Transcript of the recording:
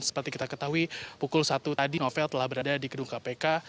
seperti kita ketahui pukul satu tadi novel telah berada di gedung kpk